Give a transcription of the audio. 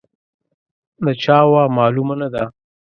د چا وه، معلومه نه ده.